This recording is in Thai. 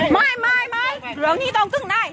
ไม่ไม่ไม่หลังนี้ต้องซึ้งนาย